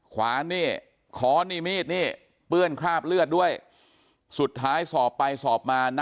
ขอนี่เมลิเมตด์นี่เปื้อนคราบเลือดด้วยสุดท้ายสอบไปสอบมา